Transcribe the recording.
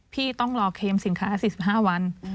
พี่ต้องรอเคมสินค้า๔๕วัน